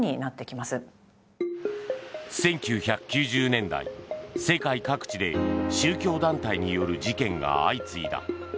１９９０年代、世界各地で宗教団体による事件が相次いだ。